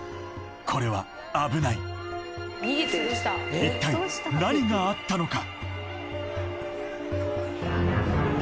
これは危ない一体何があったのか？